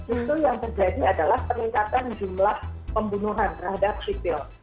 itu yang terjadi adalah peningkatan jumlah pembunuhan terhadap sipil